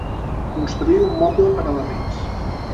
Construir un moble per elements.